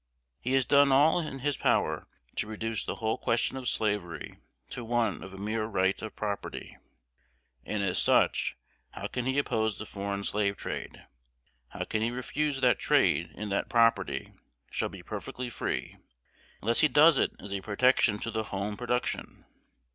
He has done all in his power to reduce the whole question of slavery to one of a mere right of property; and as such, how can he oppose the foreign slave trade, how can he refuse that trade in that "property" shall be "perfectly free," unless he does it as a protection to the home production?